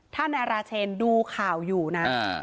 ถ้านายราเชนดูข่าวอยู่นะ